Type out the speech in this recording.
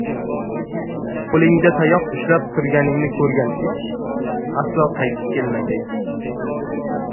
– qo‘lingda tayoq ushlab turganingni ko‘rgan it aslo qaytib kelmagay.